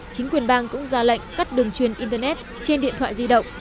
chính quyền bang cũng ra lệnh cắt đường truyền internet trên điện thoại di động